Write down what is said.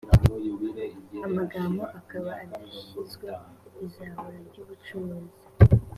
amagambo akaba adashinzwe izahura ry ubucuruzi